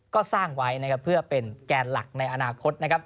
ก็สร้างไว้นะครับเพื่อเป็นแกนหลักในอนาคตนะครับ